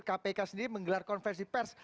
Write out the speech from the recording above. kpk sendiri menggelar konversi pers